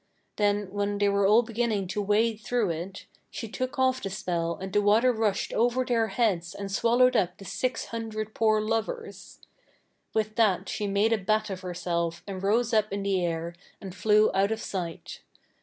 Then, when they were all beginning to wade through it, she took off the spell and the water rushed over their heads and swallowed up the six hundred poor lovers. With that she made a bat of herself and rose up in the air and flew out of sight.